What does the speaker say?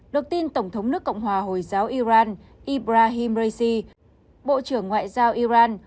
được tin tổng thống nước cộng hòa hồi giáo iran ibrahim raisi bộ trưởng ngoại giao iran